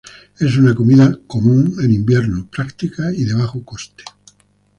Es una comida común en invierno, práctica y de bajo coste.